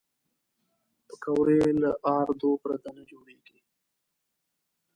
پکورې له آردو پرته نه جوړېږي